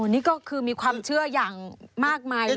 นี่ก็คือมีความเชื่ออย่างมากมายเลย